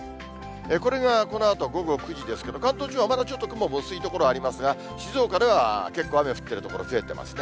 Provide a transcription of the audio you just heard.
これがこのあと午後９時ですけど、関東地方はまだちょっと雲の薄い所もありますが、静岡では結構雨降っている所増えてますね。